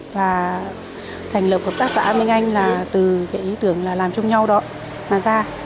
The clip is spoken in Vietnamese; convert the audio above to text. và thành lập hợp tác xã minh anh là từ cái ý tưởng là làm chung nhau đó mà ra